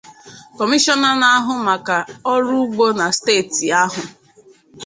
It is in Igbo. Kọmishọna na-ahụ maka ọrụ ugbo na steeti ahụ